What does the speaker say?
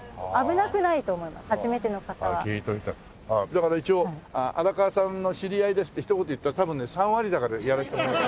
だから一応荒川さんの知り合いですって一言言ったら多分ね３割高でやらしてもらえる。